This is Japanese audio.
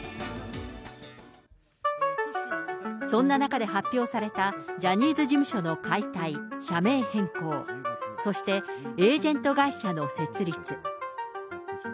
そんな中で発表されたジャニーズ事務所の解体、社名変更、そしてエージェント会社の設立。